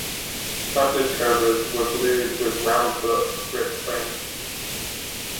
Standard Cobras were blued with round-butt grip frames.